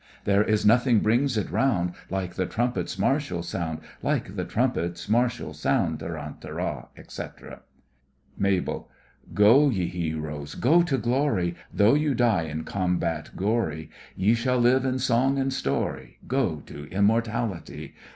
There is nothing brings it round Like the trumpet's martial sound, Like the trumpet's martial sound Tarantara! tarantara!, etc. MABEL: Go, ye heroes, go to glory, Though you die in combat gory, Ye shall live in song and story. Go to immortality!